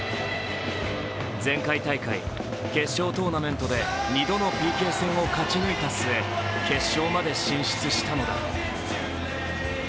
前回大会、決勝トーナメントで２度のＰＫ戦を勝ち抜いた末、決勝まで進出したのだ。